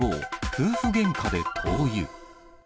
夫婦げんかで灯油。